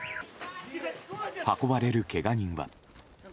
運ばれるけが人は。